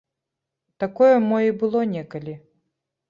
Такое мо і было некалі.